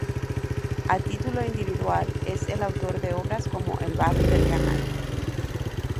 A título individual, es el autor de obras como "El Barri del Canal.